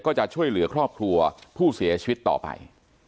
จะช่วยเหลือครอบครัวผู้เสียชีวิตต่อไป